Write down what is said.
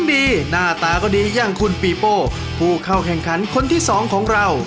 ดีหน้าตาก็ดีอย่างคุณปีโป้ผู้เข้าแข่งขันคนที่สองของเรา